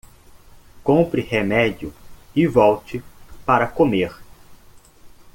Compre remédio e volte para comer